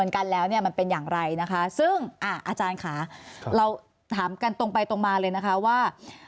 คุณผู้ชมคะเราถามกันตรงไปตรงมาเลยนะคะว่า